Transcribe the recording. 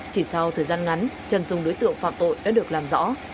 chỉ sau thời gian ngắn trần dùng đối tượng phạm tội đã được làm rõ